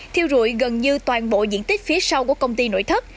thiêu rụi gần như toàn bộ diện tích phía sau của công ty nội thất